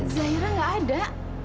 zahira gak ada